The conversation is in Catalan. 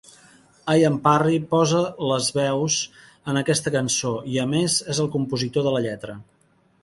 Ian Parry posa les veus en aquesta cançó i, a més, és el compositor de la lletra.